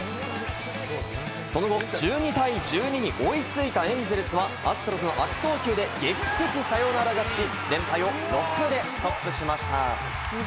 その後、１２対１２に追いついたエンゼルスはアストロズの悪送球で劇的サヨナラ勝ちし、連敗を６でストップしました。